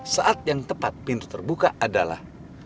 saat yang tepat pintu terbuka adalah